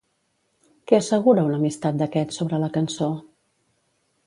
Què assegura una amistat d'aquest sobre la cançó?